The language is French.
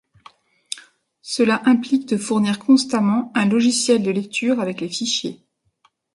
Cela implique de fournir constamment un logiciel de lecture avec les fichiers.